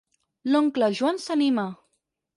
L'oncle Joan s'anima.